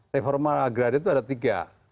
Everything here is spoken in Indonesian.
reforma agraria itu ada tiga